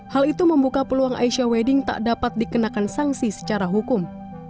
hal itu membuka peluang aisyah wedding tak dapat dikenakan sanksi secara hukum